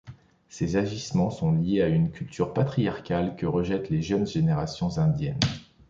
Ces agissements sont liés à une culture patriarcale que rejettent les jeunes générations indiennes.